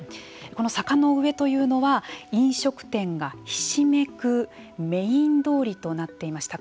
この坂の上というのは飲食店がひしめくメイン通りとなっていました。